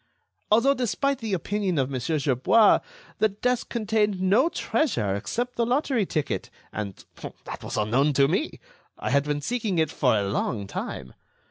Although despite the opinion of Monsieur Gerbois, the desk contained no treasure except the lottery ticket—and that was unknown to me—I had been seeking it for a long time.